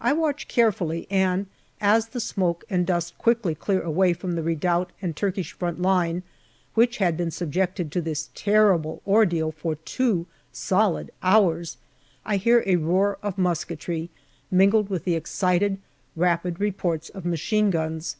I watch carefully, and as the smoke and dust quickly clear away from the redoubt and Turkish front line, which had been subjected to this terrible ordeal for two solid hours, I hear a roar of musketry, mingled with the excited, rapid reports of machine guns.